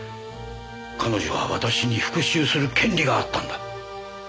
彼女は私に復讐する権利があったんだ。